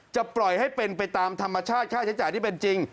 ปล่อยให้เป็นไปตามธรรมชาติค่าใช้จ่ายที่เป็นจริง